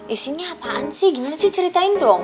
isinya apaan sih gimana sih ceritain dong